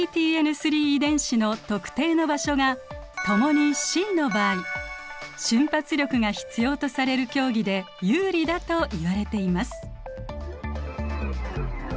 ３遺伝子の特定の場所がともに「Ｃ」の場合瞬発力が必要とされる競技で有利だといわれています。